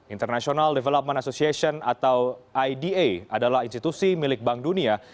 international development association atau ida adalah institusi milik bank dunia